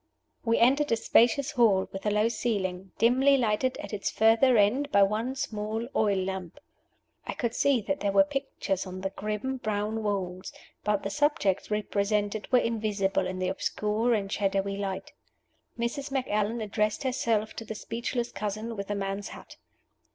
We entered a spacious hall with a low ceiling, dimly lighted at its further end by one small oil lamp. I could see that there were pictures on the grim, brown walls, but the subjects represented were invisible in the obscure and shadowy light. Mrs. Macallan addressed herself to the speechless cousin with the man's hat.